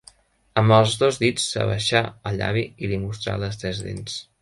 Amb els dos dits s’abaixà el llavi i li mostrà les tres dents.